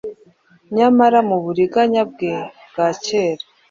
Nyamara mu buriganya bwe bwa kera,